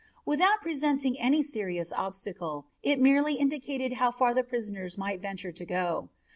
Without presenting any serious obstacle, it merely indicated how far the prisoners might venture to go.